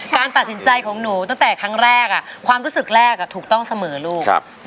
การตัดสินใจของหนูตั้งแต่ครั้งแรกความรู้สึกแรกถูกต้องเสมอลูก